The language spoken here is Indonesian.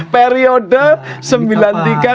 periode sembilan puluh tiga ke atas